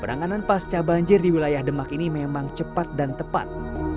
penanganan pasca banjir di wilayah demak ini memang cepat dan tepat